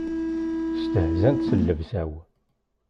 Stehzant s llebsa-w.